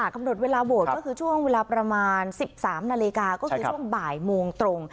กำหนดเวลาโหวตก็คือช่วงเวลาประมาณ๑๓นาฬิกาก็คือช่วงบ่ายโมงตรง